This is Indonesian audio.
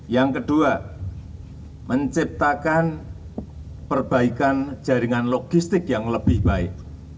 yang kedua menciptakan perbaikan jaringan logistik yang lebih baik